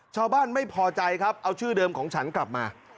ชาวบ้านไม่พอใจครับเอาชื่อเดิมของฉันกลับมา